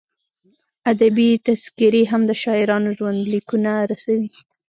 ادبي تذکرې هم د شاعرانو ژوندلیکونه رسوي.